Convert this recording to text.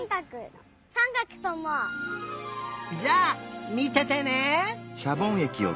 じゃあみててね！